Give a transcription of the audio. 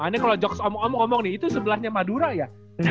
aneh kalo joks omong omong nih itu sebelahnya madura ya